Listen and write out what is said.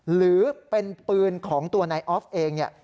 หรือเป็นปืนของตัวนายออฟเองเนี่ย